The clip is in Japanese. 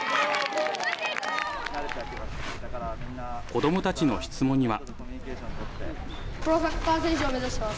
子どもたちの質問には。